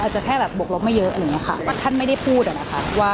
อาจจะแค่บกลบไม่เยอะอันนี้ค่ะ